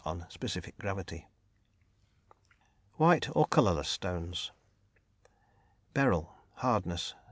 on "Specific Gravity.") WHITE OR COLOURLESS STONES. _Hardness.